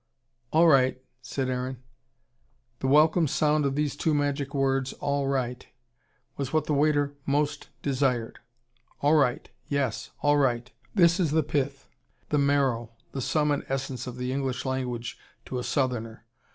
"All right," said Aaron. The welcome sound of these two magic words, All Right! was what the waiter most desired. "All right! Yes! All Right!" This is the pith, the marrow, the sum and essence of the English language to a southerner.